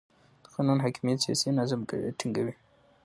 د قانون حاکمیت سیاسي نظم ټینګوي